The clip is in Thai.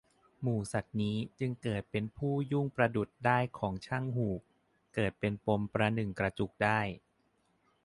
หมู่สัตว์นี้ จึงเกิดเป็นผู้ยุ่งประดุจด้ายของช่างหูก เกิดเป็นปมประหนึ่งกระจุกด้าย